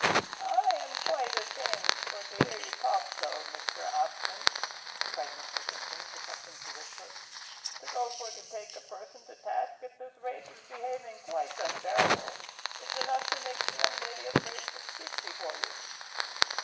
"I am quite ashamed for to hear you talk so, Mr Hobson!" cried Mr Simkins, affecting to whisper; "to go for to take a person to task at this rate, is behaving quite unbearable; it's enough to make the young lady afraid to speak before you."